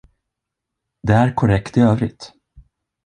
Det är korrekt i övrigt.